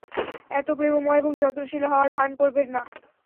এত প্রেমময় এবং যত্নশীল হওয়ার ভান করবেন না।